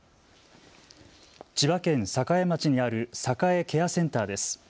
千葉県栄町にあるさかえケアセンターです。